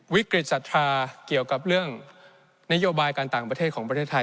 วิกฤตศรัทธาเกี่ยวกับเรื่องนโยบายการต่างประเทศของประเทศไทย